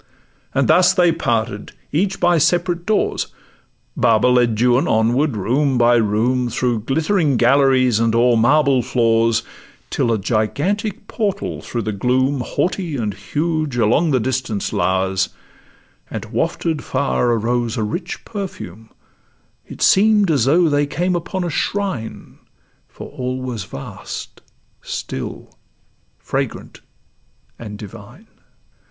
And thus they parted, each by separate doors; Baba led Juan onward room by room Through glittering galleries and o'er marble floors, Till a gigantic portal through the gloom, Haughty and huge, along the distance lowers; And wafted far arose a rich perfume: It seem'd as though they came upon a shrine, For all was vast, still, fragrant, and divine.